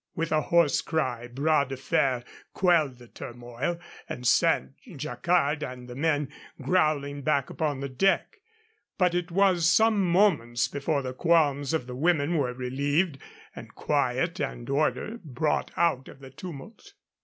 With a hoarse cry Bras de Fer quelled the turmoil and sent Jacquard and the men growling back upon the deck; but it was some moments before the qualms of the women were relieved and quiet and order brought out of the tumult.